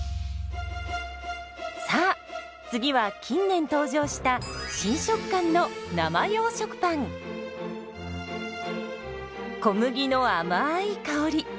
さあ次は近年登場した新食感の小麦のあまい香り。